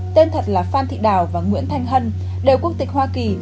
tên thật là phan thị đào và nguyễn thanh hân đều quốc tịch hoa kỳ